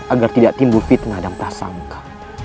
agar tidak timbul fitnah dan prasangka